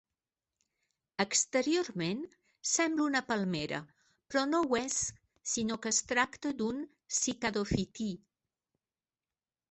Exteriorment sembla una palmera però no ho és sinó que es tracta d'un cicadofití.